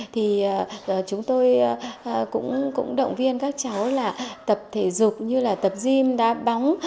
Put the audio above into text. thì chúng tôi cũng động viên các cháu là tập thể dục như là tập gym đa bóng